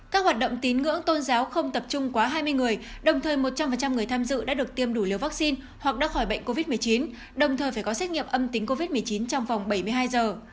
các hoạt động tín ngưỡng tôn giáo không tập trung quá hai mươi người đồng thời một trăm linh người tham dự đã được tiêm đủ liều vaccine hoặc đã khỏi bệnh covid một mươi chín đồng thời phải có xét nghiệm âm tính covid một mươi chín trong vòng bảy mươi hai giờ